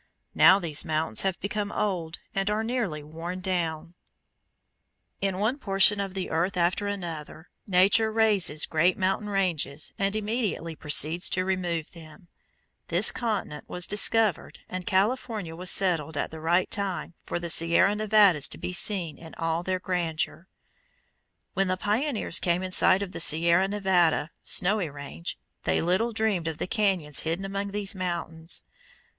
Now these mountains have become old and are nearly worn down. [Illustration: FIG. 13. WHERE THE CAÑONS BEGIN UNDER PRECIPITOUS PEAKS The head of the King's River] In one portion of the earth after another, Nature raises great mountain ranges and immediately proceeds to remove them. This continent was discovered and California was settled at the right time for the Sierra Nevadas to be seen in all their grandeur. When the pioneers came in sight of the Sierra Nevada (snowy range), they little dreamed of the cañons hidden among these mountains.